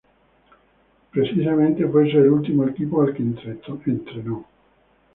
Precisamente fue ese el último equipo al que entrenó.